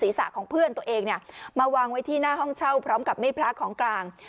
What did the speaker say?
ของเพื่อนตัวเองเนี่ยมาวางไว้ที่หน้าห้องเช่าพร้อมกับมีดพระของกลาง